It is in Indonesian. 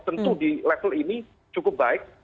tentu di level ini cukup baik